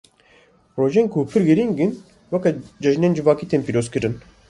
Rojên ku pir girîng in, weke cejinên civakî tên pîrozkirin.